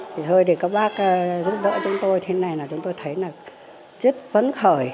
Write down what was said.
thì thôi để các bác giúp đỡ chúng tôi thế này là chúng tôi thấy là rất vấn khởi